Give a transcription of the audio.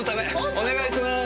お願いしまーす！